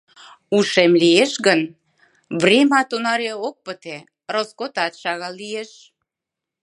Ушем лиеш гын, врема тунаре ок пыте, роскотат шагал лиеш.